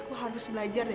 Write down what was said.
aku harus belajar dari dia